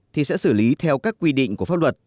thì sẽ xử lý theo các quy định của pháp luật